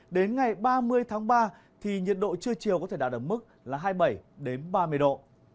đến ngày ba mươi tháng ba thì nhiệt độ trưa chiều có thể đạt ở mức là hai mươi bảy ba mươi độ